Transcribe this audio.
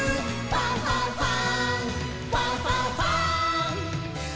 ファンファンファン！」